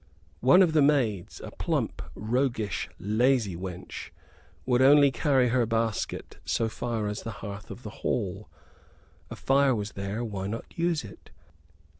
One of the maids, a plump, roguish, lazy wench, would only carry her basket so far as the hearth of the hall. A fire was there, why not use it?